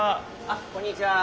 あっこんにちは。